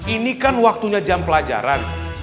ini kan waktunya jam pelajaran